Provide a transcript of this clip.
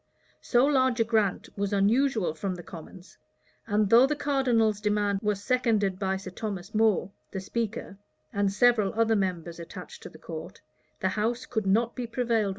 [*] So large a grant was unusual from the commons; and though the cardinal's demand was seconded by Sir Thomas More the speaker, and several other members attached to the court, the house could not be prevailed with to comply.